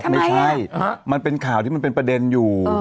ไม่ใช่มันเป็นข่าวที่มันเป็นประเด็นอยู่